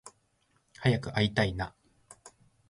早く会いたいな